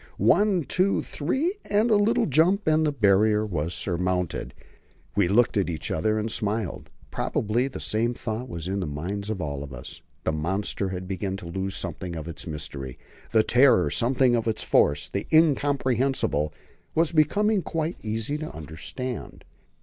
One, two, three, and a little jump, and the Barrier was surmounted! We looked at each other and smiled; probably the same thought was in the minds of all of us. The monster had begun to lose something of its mystery, the terror something of its force; the incomprehensible was becoming quite easy to understand.